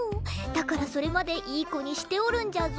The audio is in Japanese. だからそれまでいい子にしておるんじゃぞ。